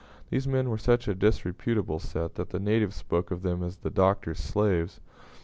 These men were such a disreputable set that the natives spoke of them as the Doctor's slaves.